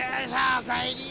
おかえり。